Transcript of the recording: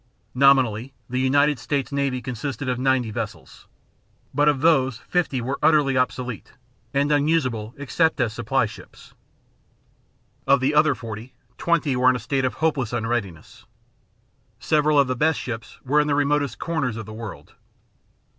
Nominally the United States navy consisted of ninety vessels, but of these fifty were utterly obsolete and unusable except as supply ships. Of the other forty, twenty were in a state of hopeless unreadiness. Several of the best ships were in the remotest corners of the world.